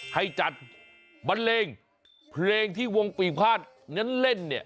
ให้จัดบันเบนพลงที่วงปรีภาคร้านเล่น